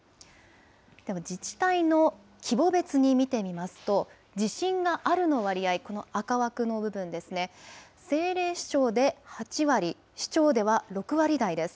では自治体の規模別に見てみますと、自信があるの割合、この赤枠の部分ですね、政令市長で８割、市長では６割台です。